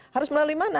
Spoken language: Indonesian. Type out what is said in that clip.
harus melalui mana